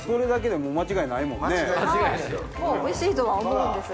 もうおいしいとは思うんですが。